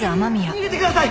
逃げてください！